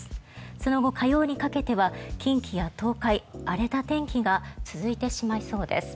その後、火曜にかけては近畿や東海、荒れた天気が続いてしまいそうです。